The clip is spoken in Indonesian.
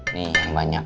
nih yang banyak